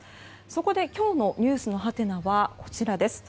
そこで今日のｎｅｗｓのハテナはこちらです。